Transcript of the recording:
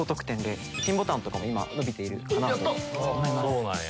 そうなんや。